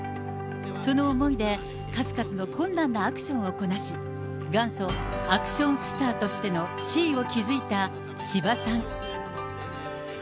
その思いで、数々の困難なアクションをこなし、元祖アクションスターとしての地位を築いた千葉さん。